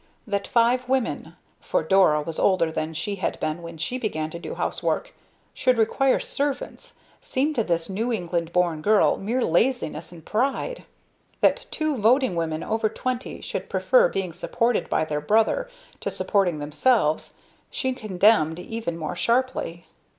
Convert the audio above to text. That five women for Dora was older than she had been when she began to do housework should require servants, seemed to this New England born girl mere laziness and pride. That two voting women over twenty should prefer being supported by their brother to supporting themselves, she condemned even more sharply.